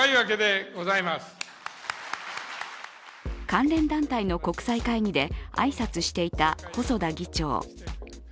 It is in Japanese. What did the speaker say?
関連団体の国際会議で挨拶していた細田議長。